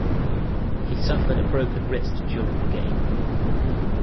He suffered a broken wrist during the game.